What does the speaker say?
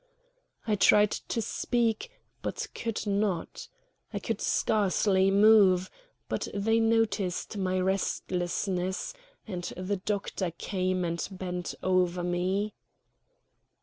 I tried to speak, but could not. I could scarcely move; but they noticed my restlessness, and the doctor came and bent over me.